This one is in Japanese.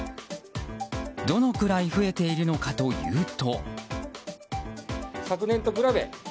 どのくらい増えているのかというと。